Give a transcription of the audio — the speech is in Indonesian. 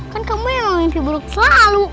kan kamu yang mimpi buruk selalu